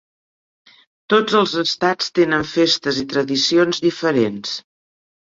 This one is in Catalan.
Tots els estats tenen festes i tradicions diferents.